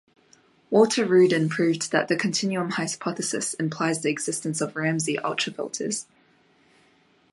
Walter Rudin proved that the continuum hypothesis implies the existence of Ramsey ultrafilters.